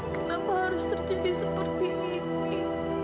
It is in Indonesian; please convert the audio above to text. kenapa harus terjadi seperti ini